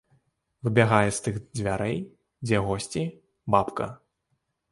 Выбягае з тых дзвярэй, дзе госці, бабка.